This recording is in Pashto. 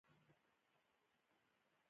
موږ غوښه له کومه کوو؟